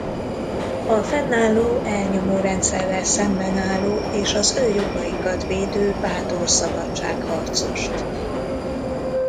A fennálló elnyomó rendszerrel szemben álló és az ő jogaikat védő bátor szabadságharcost.